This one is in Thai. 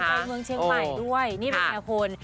กับคนเชียงใหม่ด้วยนี่เป็นแห่งคน